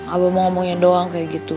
abah mau ngomongnya doang kayak gitu